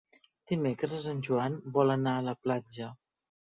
Dimecres en Joan vol anar a la platja.